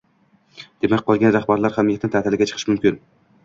Demak, qolgan rahbarlar ham mehnat taʼtiliga chiqishi mumkin.